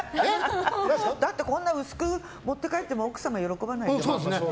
だってこんな薄く持って帰っても奥様喜ばないでしょ。